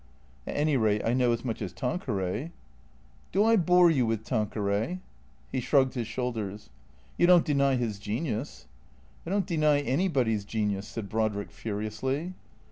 " At any rate I know as much as Tanqueray." " Do I bore you with Tanqueray ?" He shrugged his shoulders. " You don't deny his genius ?"" I don't deny anybody's genius," said Brodrick furiously.